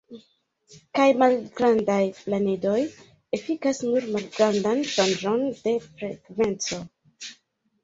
Kaj malgrandaj planedoj efikas nur malgrandan ŝanĝon de frekvenco.